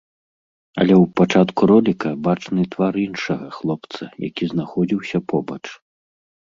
Але ў пачатку роліка бачны твар іншага хлопца, які знаходзіўся побач.